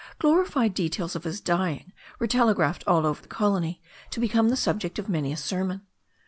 Glorified details of his dying were telegraphed all over the colony, to become the subject of many a sermon.